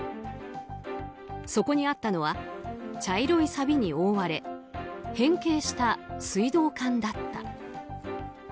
そこにあったのは茶色いさびに覆われ変形した水道管だった。